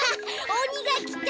おにがきた！